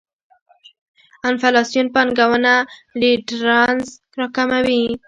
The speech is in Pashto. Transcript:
انفلاسیون پانګونه ريټرنز راکموي.